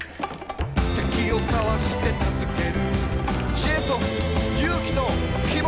「敵をかわして助ける」「知恵と勇気と希望と」